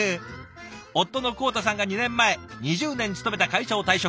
夫の康太さんが２年前２０年勤めた会社を退職。